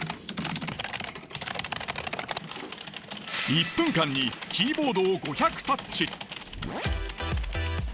１分間にキーボードを５００タッチ。